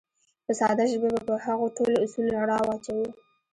په ساده ژبه به په هغو ټولو اصولو رڼا واچوو.